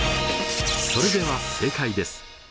それでは正解です。